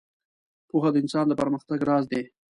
• پوهه د انسان د پرمختګ راز دی.